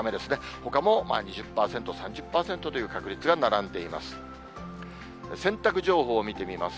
ほかも２０％、３０％という確率が並んでいます。